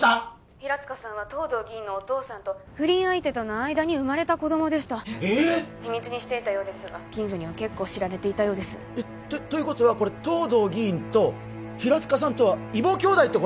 平塚さんは藤堂議員のお父さんと不倫相手との間に生まれた子供でした秘密にしていたようですが近所には結構知られていたようですということはこれ藤堂議員と平塚さんとは異母兄弟ってこと？